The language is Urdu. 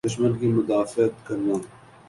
دشمن کی مدافعت کرنا۔